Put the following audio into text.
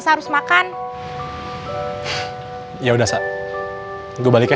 soalnya lasah aku